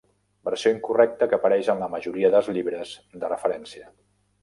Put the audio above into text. Versió incorrecta que apareix en la majoria dels llibres de referència.